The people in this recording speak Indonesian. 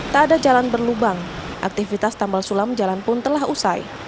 tak ada jalan berlubang aktivitas tambal sulam jalan pun telah usai